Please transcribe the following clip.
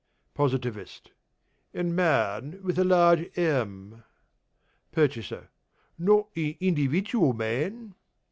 POSITIVIST: In Man, with a large M. PURCHASER: Not in individual Man?